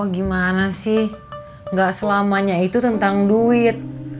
gimana sih gak selamanya itu tentang duit